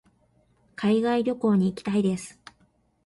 海外旅行に行きたいです。